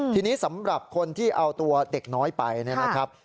ทีนี้สำหรับคนที่เอาตัวเด็กน้อยไปนะครับ